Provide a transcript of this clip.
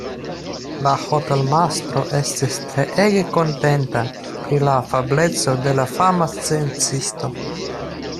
La hotelmastro estis treege kontenta pri la afableco de la fama sciencisto.